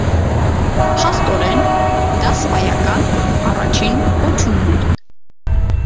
Փաստորեն, դա սպայական, առաջին կոչումն էր։